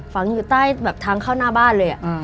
ฝังอยู่ใต้แบบทางเข้าหน้าบ้านเลย